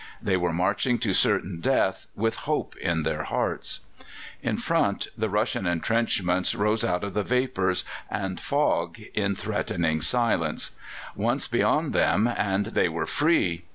They were marching to certain death, with hope in their hearts. In front the Russian entrenchments rose out of the vapours and fog in threatening silence; once beyond them, and they were free!